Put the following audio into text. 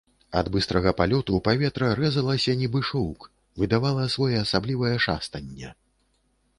Ад быстрага палёту паветра рэзалася, нібы шоўк, выдавала своеасаблівае шастанне.